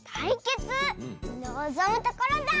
のぞむところだ！